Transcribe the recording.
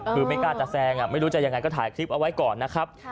คือไม่กล้าจะแซงไม่รู้จะยังไงก็ถ่ายคลิปเอาไว้ก่อนนะครับ